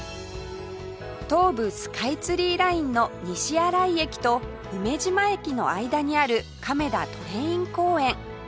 東武スカイツリーラインの西新井駅と梅島駅の間にある亀田トレイン公園